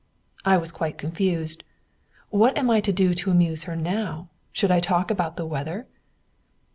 I was quite confused. What am I to do to amuse her now? Should I talk about the weather?